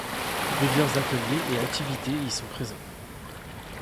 Plusieurs ateliers et activités y sont présents.